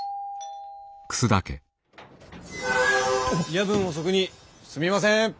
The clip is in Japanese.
夜分遅くにすみません。